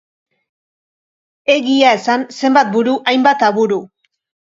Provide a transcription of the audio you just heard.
Egia esan, zenbat buru, hainbat aburu.